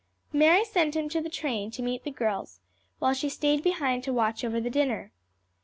Mary sent him to the train to meet the girls, while she stayed behind to watch over the dinner.